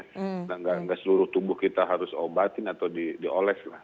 tidak seluruh tubuh kita harus obatin atau dioles lah